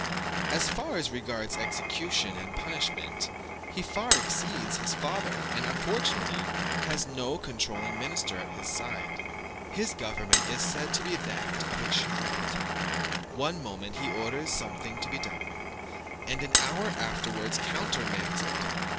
As far as regards execution and punishment, he far exceeds his father; and, unfortunately, has no controlling minister at his side. His government is said to be that of a child; one moment he orders something to be done, and an hour afterwards countermands it.